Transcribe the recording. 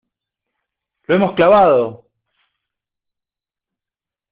¡ lo hemos clavado!